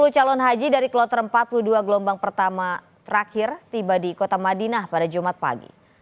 sepuluh calon haji dari kloter empat puluh dua gelombang pertama terakhir tiba di kota madinah pada jumat pagi